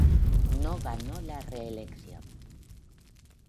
No ganó la reelección.